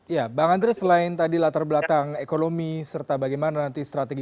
ya bang andre selain tadi latar belakang ekonomi serta bagaimana nanti strategi